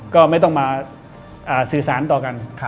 ก็ไม่ต้องมาสื่อสารต่อกัน